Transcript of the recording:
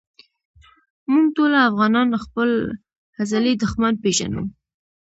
مونږ ټولو افغانان خپل ازلي دښمن پېژنو